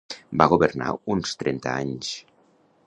Va governar uns trenta anys.